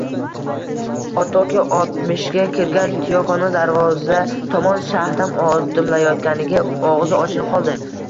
Otoki oltmishga kirgan Tiyokoni darvoza tomon shahdam odimlayotganiga og`zi ochilib qoldi